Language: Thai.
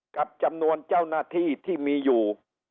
กับจำนวนเจ้าหน้าที่ที่มีอยู่